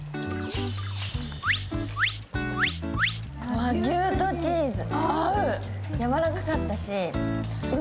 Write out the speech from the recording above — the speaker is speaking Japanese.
和牛とチーズ、合う。